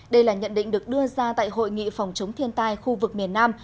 đây là nhận định được đưa ra tại hội nghị phòng chống thiên tai khu vực miền nam